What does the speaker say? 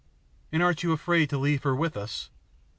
"And aren't you afraid to leave her with us?"